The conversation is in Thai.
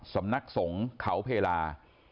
สำนักศรงคเกลาเพลรา